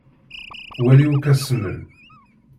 Wali akk asmel.